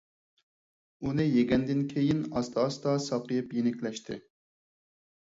ئۇنى يېگەندىن كېيىن ئاستا - ئاستا ساقىيىپ يېنىكلەشتى.